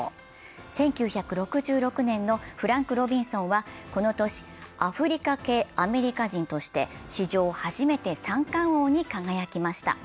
１９６６年のフランク・ロビンソンはこの年アフリカ系アメリカ人として史上初めて三冠王に輝きました。